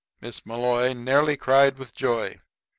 Miss Malloy nearly cried with joy.